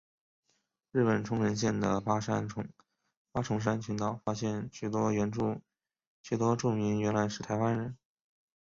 日本冲绳县的八重山群岛发现许多住民原来是台湾人。